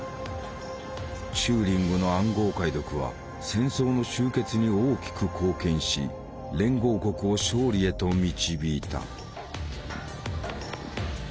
チューリングの暗号解読は戦争の終結に大きく貢献し連合国を勝利へと導いた。